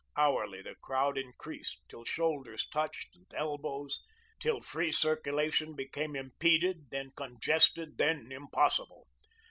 Hourly the crowd increased till shoulders touched and elbows, till free circulation became impeded, then congested, then impossible.